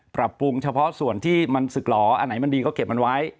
ปรับปรุงเฉพาะส่วนที่มันสึกหล่ออันไหนมันดีก็เก็บมันไว้